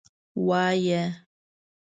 وایه.